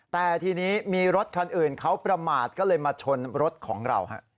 แต่ทีนี้มีรถคันอื่นเขาประมาทก็เลยมาชนรถของเรา